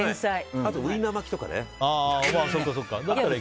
あとウインナー巻きとかならね。